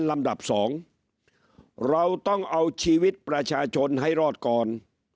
ลำดับสองเราต้องเอาชีวิตประชาชนให้รอดก่อน